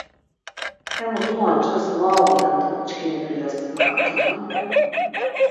Emus mu oncels, mu ağoden do çkini dulyas mak̆atenan?